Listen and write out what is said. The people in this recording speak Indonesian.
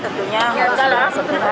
tentunya harus berhubungan dengan perubahan